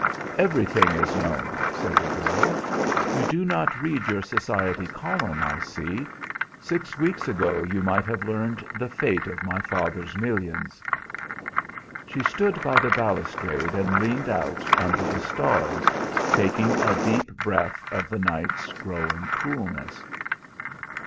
"Everything is known," said the girl. "You do not read your society column, I see. Six weeks ago you might have learned the fate of my father's millions." She stood by the balustrade and leaned out under the stars, taking a deep breath of the night's growing coolness.